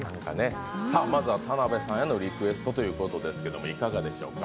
まずは田辺さんへのリクエストということですがいかがでしょうか。